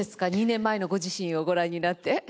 ２年前のご自身をご覧になって。